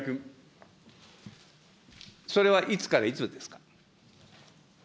それはいつからいつですか。